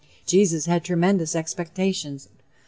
"Jesus had tremendous expectations."